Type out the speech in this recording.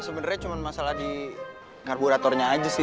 sebenarnya cuma masalah di karburatornya aja sih